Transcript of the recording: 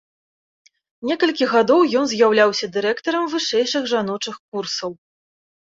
Некалькі гадоў ён з'яўляўся дырэктарам вышэйшых жаночых курсаў.